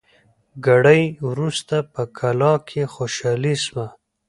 ګړی وروسته په کلا کي خوشالي سوه